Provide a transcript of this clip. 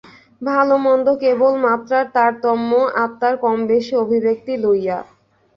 ভাল-মন্দ কেবল মাত্রার তারতম্য, আত্মার কম-বেশী অভিব্যক্তি লইয়া।